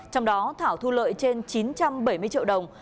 trong đó thảo thu lợi trên chín trăm bảy mươi triệu đồng